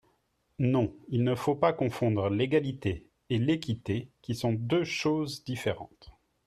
Non, il ne faut pas confondre l’égalité et l’équité, qui sont deux choses différentes.